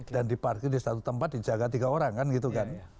dan diparkir di satu tempat dijaga tiga orang kan gitu kan